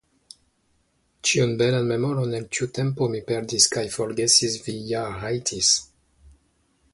Ĉiun belan memoron el tiu tempo mi perdis kaj forgesis vi ja rajtis.